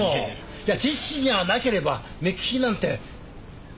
いや知識がなければ目利きなんて。